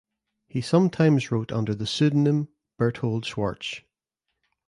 He sometimes wrote under the pseudonym Berthold Schwarz.